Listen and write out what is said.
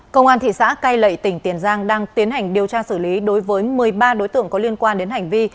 công an thị xã cai lậy tỉnh tiền giang đang tiến hành điều tra xử lý đối với một mươi ba đối tượng có liên quan đến hành vi